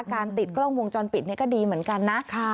ติดกล้องวงจรปิดนี่ก็ดีเหมือนกันนะ